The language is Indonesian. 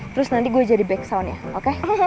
harus nanti gue jadi back sound ya